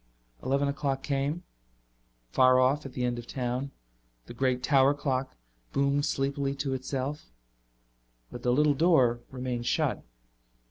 Eleven o'clock came. Far off, at the end of town, the great tower clock boomed sleepily to itself. But the little door remained shut.